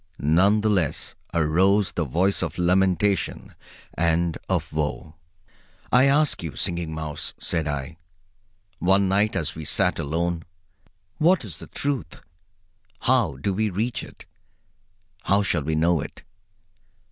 None the less arose the voice of lamentation and of woe. "I ask you, Singing Mouse," said I, one night as we sat alone, "what is the Truth? How do we reach it? How shall we know it?